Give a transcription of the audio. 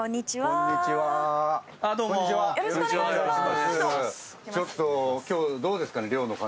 よろしくお願いします。